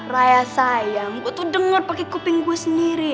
rayya sayang gue tuh denger pake kuping gue sendiri